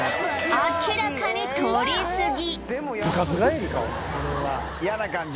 明らかに取りすぎ